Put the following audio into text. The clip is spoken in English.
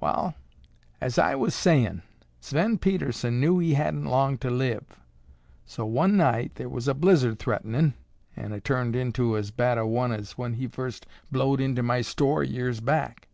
"Wall, as I was sayin', Sven Pedersen knew he hadn't long to live, so one night thar was a blizzard threatenin'—an' it turned into as bad a one as when he furst blowed into my store years back.